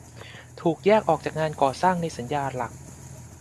ถูกแยกออกจากงานก่อสร้างในสัญญาหลัก